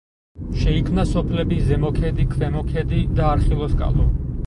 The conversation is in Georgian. შეიქმნა სოფლები: ზემო ქედი, ქვემო ქედი და არხილოსკალო.